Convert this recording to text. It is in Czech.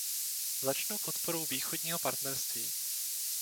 Začnu podporou Východního partnerství.